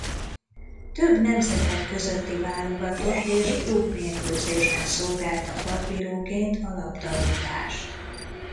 Több nemzetek közötti válogatott- és klubmérkőzésen szolgálta partbíróként a labdarúgást.